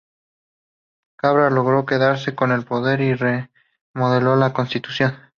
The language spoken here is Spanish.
Cabral logró quedarse con el poder y remodeló la constitución.